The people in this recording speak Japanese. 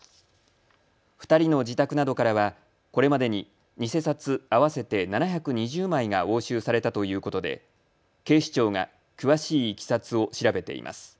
２人の自宅などからはこれまでに偽札合わせて７２０枚が押収されたということで警視庁が詳しいいきさつを調べています。